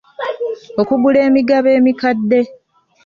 Okugula emigabo emikadde.